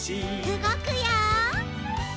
うごくよ！